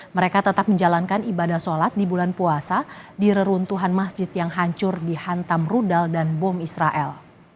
mereka tetap menjalankan ibadah sholat di bulan puasa di reruntuhan masjid yang hancur dihantam rudal dan bom israel